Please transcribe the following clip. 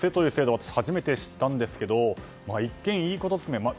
私、初めて知ったんですが一見いいこと含め運